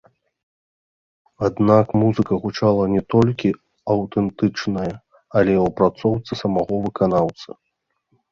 Аднак музыка гучала не толькі аўтэнтычная, але і ў апрацоўцы самога выканаўцы.